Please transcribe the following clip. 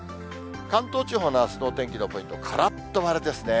関東地方のあすのお天気のポイント、カラッと晴れですね。